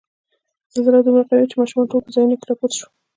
زلزله دومره قوي وه چې ماشومان ټول په ځایونو کې را پورته شول.